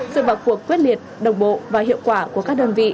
sự vào cuộc quyết liệt đồng bộ và hiệu quả của các đơn vị